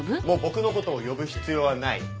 もう僕のことを呼ぶ必要はない。